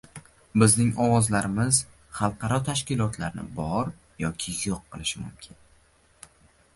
Bizning ovozlarimiz xalqaro tashkilotlarni bor yoki yo‘q qilishi mumkin